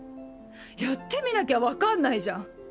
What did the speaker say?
やってみなきゃ分かんないじゃん。